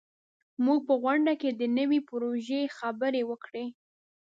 موږ په غونډه کې د نوي پروژې خبرې وکړې.